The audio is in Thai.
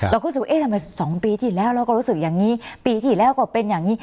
เรารู้สึกว่าเอ๊ะทำไม๒ปีที่แล้วเราก็รู้สึกอย่างนี้ปีที่แล้วก็เป็นอย่างนี้